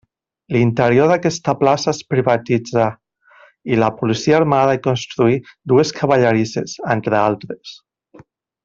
L'interior d'aquesta plaça es privatitzà i la Policia Armada hi construí dues cavallerisses, entre altres.